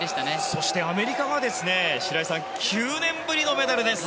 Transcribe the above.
そしてアメリカが白井さん９年ぶりのメダルです。